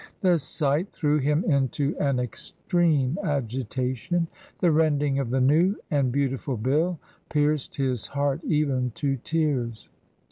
The sight threw him into an extreme agitation ; the rending of the new and beautiful bill pierced his heart even to tears.